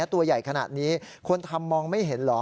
ตัวใหญ่ขนาดนี้คนทำมองไม่เห็นเหรอ